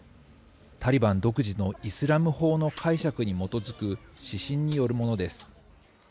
タリバン独自のイスラム法の解釈に基づく指針によるものです。